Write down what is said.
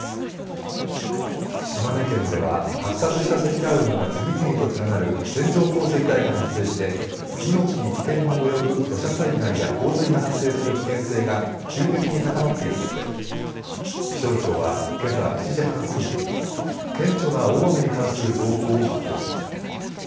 島根県では発達した積乱雲が次々と連なる線状降水帯が発生して命に危険が及ぶ土砂災害や洪水が発生する危険性が急激に高まっているとして気象庁はけさ７時半過ぎに顕著な大雨に関する情報を発表しました。